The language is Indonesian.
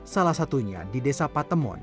salah satunya di desa patemon